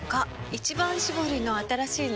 「一番搾り」の新しいの？